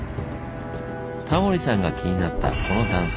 タモリさんが気になったこの段差。